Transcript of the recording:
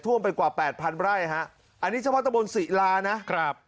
ไปกว่าแปดพันไร่ฮะอันนี้เฉพาะตะบนศิลานะครับ